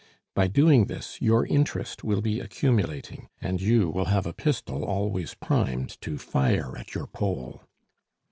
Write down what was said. By doing this your interest will be accumulating, and you will have a pistol always primed to fire at your Pole!"